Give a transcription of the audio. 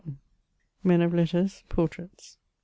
MEN OF LETTERS — PORTRAITS.